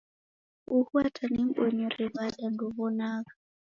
Uhu ata nimbonyere wada ndew'onagha